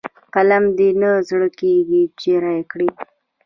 قلم دې نه زړه کېږي چې رايې کړئ.